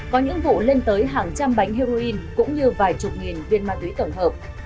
có những vụ lên tới hàng trăm bánh heroin cũng như vài chục nghìn viên ma túy tổng hợp